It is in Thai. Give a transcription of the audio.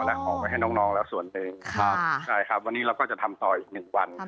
และของไปให้น้องแล้วส่วนเองครับวันนี้เราก็จะทำต่ออีกหนึ่งวันครับ